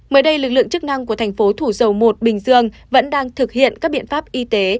mới đây lực lượng chức năng của thành phố thủ dầu một bình dương vẫn đang thực hiện các biện pháp y tế